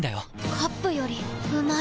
カップよりうまい